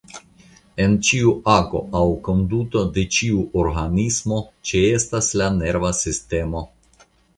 En ĉiu ago aŭ konduto de ĉiu organismo ĉeestas la nerva sistemo.